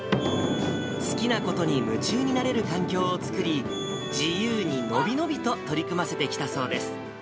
好きなことに夢中になれる環境を作り、自由に伸び伸びと取り組ませてきたそうです。